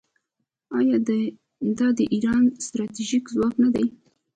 آیا دا د ایران ستراتیژیک ځواک نه دی؟